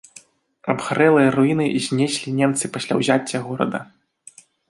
Абгарэлыя руіны знеслі немцы пасля ўзяцця горада.